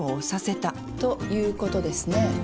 ということですね？